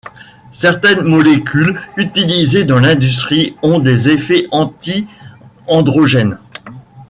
Certaines molécules utilisées dans l'industrie ont des effets anti-androgènes.